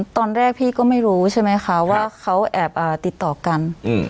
ตอนแรกพี่ก็ไม่รู้ใช่ไหมคะว่าเขาแอบติดต่อกัน